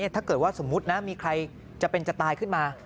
ถ้าเกิดว่าสมมุตินะมีใครจะเป็นจะตายขึ้นมา